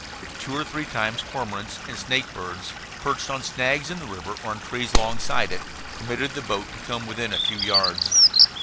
Two or three times cormorants and snake birds, perched on snags in the river or on trees alongside it, permitted the boat to come within a few yards.